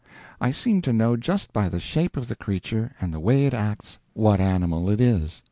I seem to know just by the shape of the creature and the way it acts what animal it is.